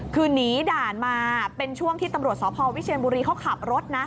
คือหนีด่านมาเป็นช่วงที่ตำรวจสพวิเชียนบุรีเขาขับรถนะ